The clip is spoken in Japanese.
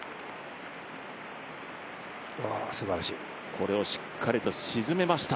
これをしっかりと沈めました。